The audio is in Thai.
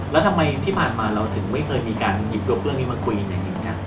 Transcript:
แล้วทำไมที่ผ่านมาเราถึงไม่เคยมีการหยิบยกเรื่องนี้มาคุยกันอย่างนี้ครับ